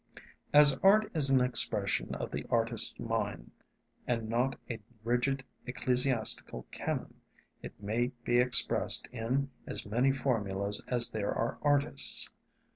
As art is an expression of the artist's mind, and not a rigid ecclesiastical canon, it may be expressed in as many formulas as there are artists.